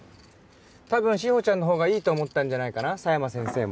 多分志保ちゃんのほうがいいと思ったんじゃないかな佐山先生も。